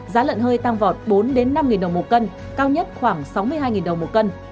giá lợn hơi tăng vọt bốn năm đồng một cân cao nhất khoảng sáu mươi hai đồng một cân